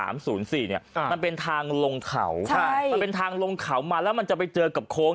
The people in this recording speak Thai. มันเป็นทางลงเขาใช่มันเป็นทางลงเขามาแล้วมันจะไปเจอกับโค้ง